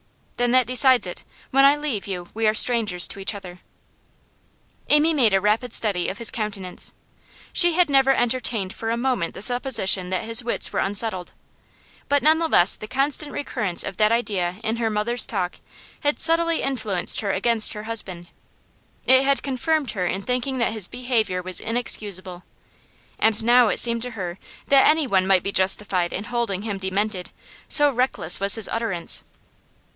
'Then that decides it. When I leave you we are strangers to each other.' Amy made a rapid study of his countenance. She had never entertained for a moment the supposition that his wits were unsettled, but none the less the constant recurrence of that idea in her mother's talk had subtly influenced her against her husband. It had confirmed her in thinking that his behaviour was inexcusable. And now it seemed to her that anyone might be justified in holding him demented, so reckless was his utterance.